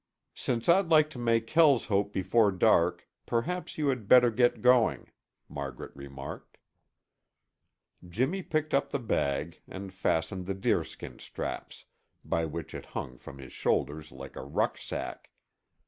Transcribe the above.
"Since I'd like to make Kelshope before dark, perhaps you had better get going," Margaret remarked. Jimmy picked up the bag and fastened the deerskin straps, by which it hung from his shoulders like a rucksack.